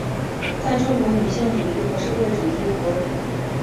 在中国女性主义与社会主义和阶级问题有着密切的关系。